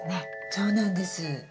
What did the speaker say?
そうなんです。